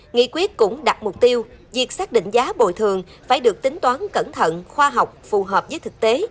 nghị quyết cũng đặt mục tiêu việc xác định giá bồi thường phải được tính toán cẩn thận khoa học phù hợp với thực tế